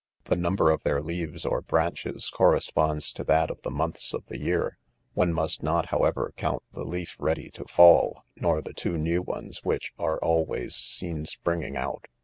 The number of their leaves or branches corresponds to that of the months of : the year; one must not, however, count the leaf ready to fall, nor the two new ones which are always seen springing out.